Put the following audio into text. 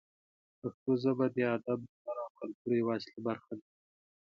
پښتو ژبه د ادب، هنر او کلتور یوه اصلي برخه ده.